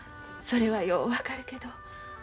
それはよう分かるけど。